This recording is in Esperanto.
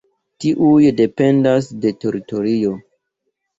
Tiuj dependas de teritorio.